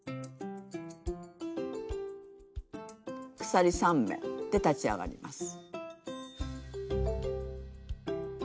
鎖３目で立ち上がります。